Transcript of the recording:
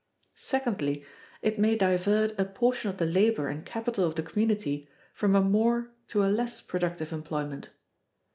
Secondly, it may divert a portion of the labor and capital of the community from a more to a less productive employment.